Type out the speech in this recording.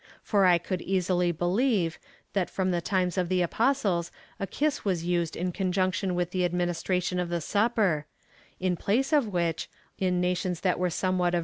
For I could easily believe, that from the times of the Apostles a kiss was used in connection with the administration of the Supper f in j^lace of which, among nations that were some ^ See p.